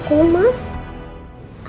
aku gak ambil